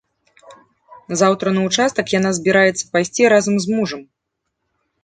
Заўтра на ўчастак яна збіраецца пайсці разам з мужам.